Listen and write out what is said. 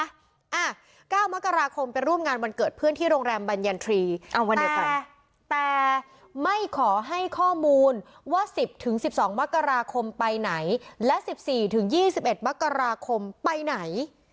อ่า๙มกรคมเป็นร่วมงานวันเกิดเพื่อนที่โรงแรมบัญญันทรีย์แต่แต่ไม่ขอให้ข้อมูลว่า๑๐ถึง๑๒มกรคมไปไหนและ๑๔ถึง๒๑มกรคมไปไหน